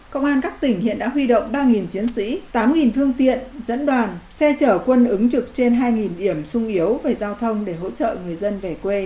công an các tỉnh hiện đã huy động ba chiến sĩ tám phương tiện dẫn đoàn xe chở quân ứng trực trên hai điểm sung yếu về giao thông để hỗ trợ người dân về quê